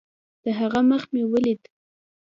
د هغه مخ مې وليد.